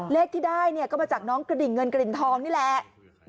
เลขที่ได้เนี่ยก็มาจากน้องกระดิ่งเงินกระดิ่งทองนี่แหละ